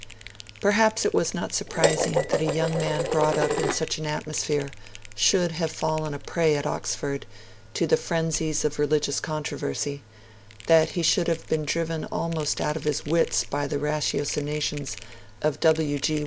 Perhaps it was not surprising that a young man brought up in such an atmosphere, should have fallen a prey at Oxford, to the frenzies of religious controversy; that he should have been driven almost out of his wits by the ratiocinations of W. G.